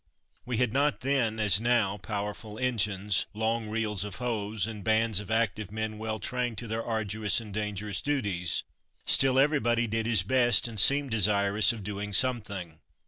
We had not then as now powerful engines, long reels of hose, and bands of active men well trained to their arduous and dangerous duties, still, everybody did his best and seemed desirous of doing something.